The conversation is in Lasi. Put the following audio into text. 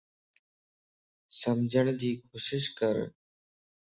سمجھڙ جي ڪوشش ڪر